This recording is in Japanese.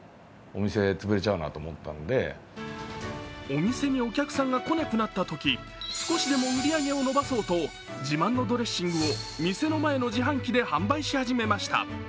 お店にお客さんが来なくなったとき少しでも売り上げを伸ばそうと自慢のドレッシングを店の前の自販機で販売し始めました。